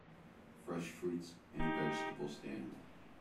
Fresh fruits and vegetable stand.